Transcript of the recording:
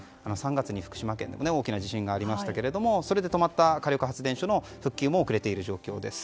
３月に福島県で大きな地震がありましたけどそれで止まった火力発電所の復旧も遅れている状況です。